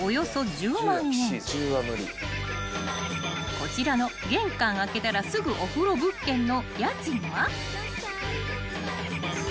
［こちらの玄関開けたらすぐお風呂物件の］